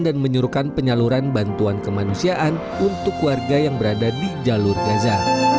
dan menyuruhkan penyaluran bantuan kemanusiaan untuk warga yang berada di jalur gaza